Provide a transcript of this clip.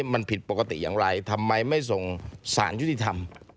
มันผิดปกติอย่างไรทำไมไม่ส่งสารยุติธรรม